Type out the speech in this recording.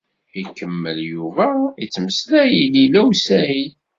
Yekemmel Yuba yetmeslay i Lila u Saɛid.